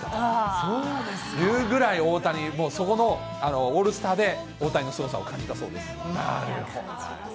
そうなんですか。というぐらい、大谷、そこのオールスターで大谷のすごさを感じたそうです。